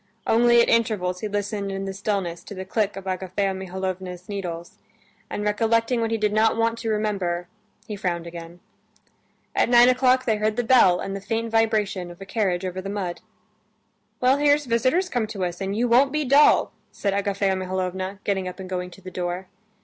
Only at intervals he listened in the stillness to the click of Agafea Mihalovna's needles, and recollecting what he did not want to remember, he frowned again. At nine o'clock they heard the bell and the faint vibration of a carriage over the mud. "Well, here's visitors come to us, and you won't be dull," said Agafea Mihalovna, getting up and going to the door.